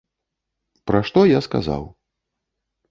Пра што я сказаў.